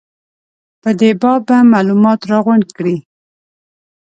په دې باب به معلومات راغونډ کړي.